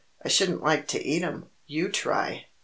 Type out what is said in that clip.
"I shouldn't like to eat 'em. You try."